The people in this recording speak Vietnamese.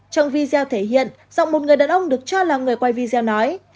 trong video thể hiện rằng một người đàn ông được cho là người quay video nói